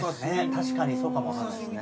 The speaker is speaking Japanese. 確かにそうかもわかんないですね。